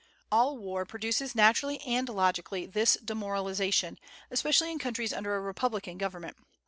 All war produces naturally and logically this demoralization, especially in countries under a republican government.